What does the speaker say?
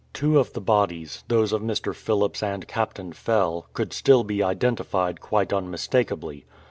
Two of the bodies — those of Mr. Phillips and Captain Fell — could still be identified quite unmistakably.